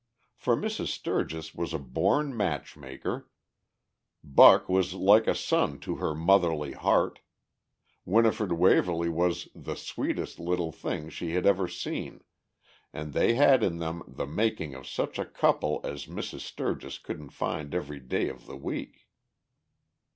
For Mrs. Sturgis was a born match maker, Buck was like a son to her motherly heart, Winifred Waverly was the "sweetest little thing" she had ever seen, and they had in them the making of such a couple as Mrs. Sturgis couldn't find every day of the week.